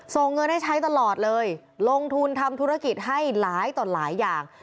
ส่งเงินให้ใช้ตลอดเลยลงทุนทำธุรกิจให้หลายต่อหลายอย่าง